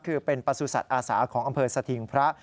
คือเป็นประสุทธิ์อาสาของอำเภอสถิงพระ